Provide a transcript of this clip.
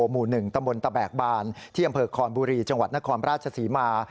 หมู่๑ตำบลตะแบกบานที่อำเภอคอนบุรีจังหวัดนครราชศรีมา